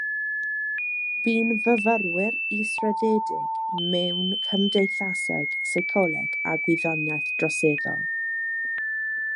Bu'n fyfyriwr israddedig mewn cymdeithaseg, seicoleg a gwyddoniaeth droseddol.